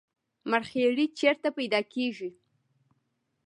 مرخیړي چیرته پیدا کیږي؟